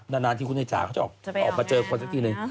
นานทีคุณไอ้จ๋าเขาจะออกมาเจอคนสักทีนึง